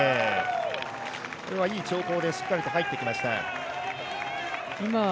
これはいい兆候で、しっかりと入っていきました。